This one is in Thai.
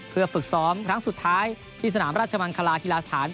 เพื่อฝึกซ้อมครั้งสุดท้ายที่สนามราชมังคลาฮิลาสถาน